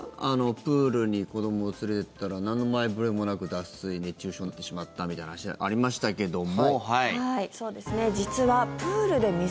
プールに子どもを連れていったらなんの前触れもなく脱水、熱中症になってしまったみたいな話ありましたけども。